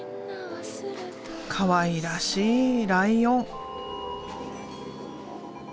かわいらしいライオン。